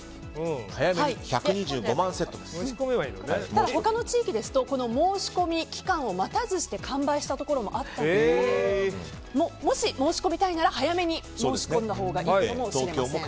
ただ他の地域ですと申込期間を待たずして完売したところもあったということでもし、申し込みたいなら早めに申し込んだほうがいいかもしれません。